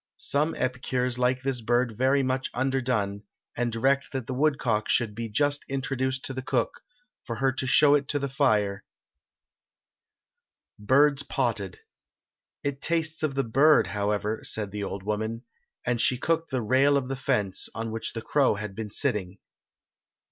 Some epicures like this bird very much underdone, and direct that the woodcock should be just introduced to the cook, for her to show it to the fire, then send it to table. BIRDS POTTED. "It tastes of the bird, however," said the old woman, "and she cooked the rail of the fence on which the crow had been sitting."